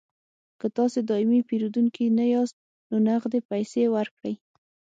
که تاسې دایمي پیرودونکي نه یاست نو نغدې پیسې ورکړئ